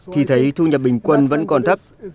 thì thấy thu nhập bình quân vẫn còn thấp